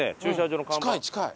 近い近い。